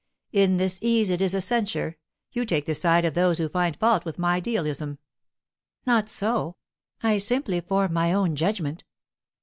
"In this ease it is a censure. You take the side of those who find fault with my idealism." "Not so; I simply form my own judgment."